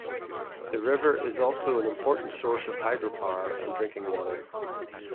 The river is also an important source of hydropower and drinking water.